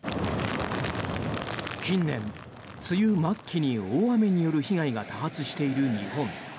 近年、梅雨末期に大雨による被害が多発している日本。